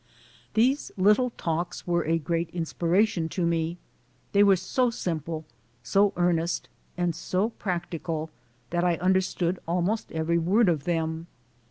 These little talks were a great inspiration to me. They were so simple, so earnest and so practical that I understood almost every word of them.